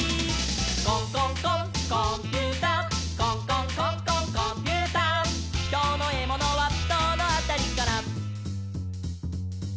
「コンコンコンコンピューター」「コンコンコンコンコンピューター」「きょうのエモノはどのあたりかな」